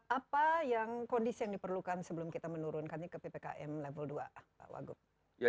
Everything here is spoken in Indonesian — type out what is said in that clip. apa kondisi yang diperlukan sebelum kita menurunkannya ke ppkm level dua